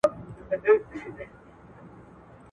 ماشوم د انا په وړاندې په خاورو کې کښېناست.